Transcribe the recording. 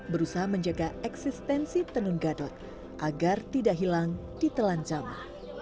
berusaha menjaga eksistensi tenun gadot agar tidak hilang di telanjama